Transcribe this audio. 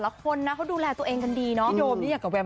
แต่ละคนดูแลตัวเองดีเนาะ